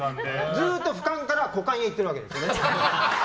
ずっと俯瞰から股間にいってるわけです。